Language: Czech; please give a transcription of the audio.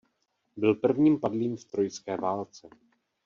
Byl prvním padlým v trojské válce.